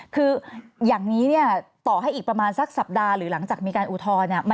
คืออย่างนี้เนี่ยต่อให้อีกประมาณสักสัปดาห์หรือหลังจากมีการอุทธรณ์เนี่ย